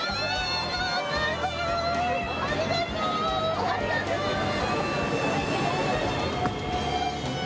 ありがとう。